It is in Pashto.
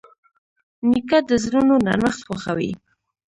نیکه د زړونو نرمښت خوښوي.